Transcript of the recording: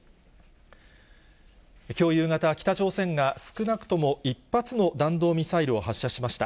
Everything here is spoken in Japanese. きょう夕方、北朝鮮が少なくとも１発の弾道ミサイルを発射しました。